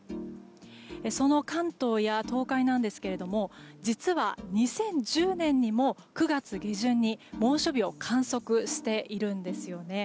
その関東や東海なんですが実は、２０１０年にも９月下旬に猛暑日を観測しているんですよね。